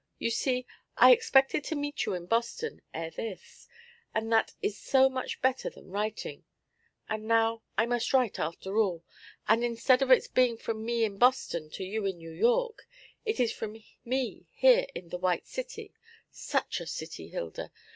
You see, I expected to meet you in Boston ere this, and that is so much better than writing; and now I must write after all, and instead of its being from me in Boston to you in New York, it is from me here in the "White City" such a city, Hilda!